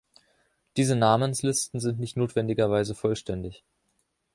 Diese Namenslisten sind nicht notwendigerweise vollständig.